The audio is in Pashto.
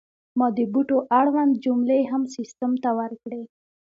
ما د بوټو اړوند جملې هم سیستم ته ورکړې.